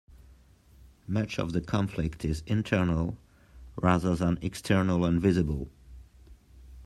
Much of the conflict is internal, rather than external and visible.